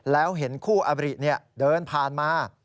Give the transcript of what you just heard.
แล้วเห็นคู่อบริเดินผ่านมา